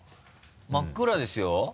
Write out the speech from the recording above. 真っ暗ですよ？